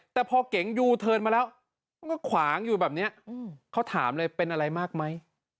แต่พอเก๋งมาแล้วมันก็ขวางอยู่แบบเนี้ยอืมเขาถามเลยเป็นอะไรมากมั้ย